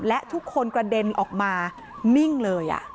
และทุกคนกระเด็นออกมานิ่งเลย